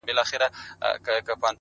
شعـر كي مي راپـاتـــه ائـيـنه نـه ده-